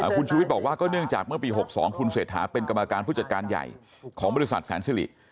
คุณชูวิทย์บอกว่าก็เนื่องจากเมื่อปี๖๒คุณเศรษฐาเป็นกรรมการผู้จัดการใหญ่ของบริษัทแสนสิริ